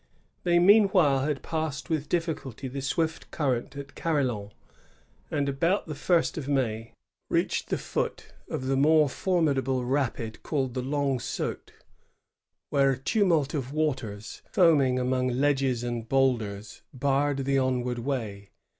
They meanwhile had passed with difficulty the swift current at Carillon, and about the first of May reached the foot of the more formidable rapid called the Long Saut, where a tumult of waters, foaming among ledges and bowlders, barred the onward way.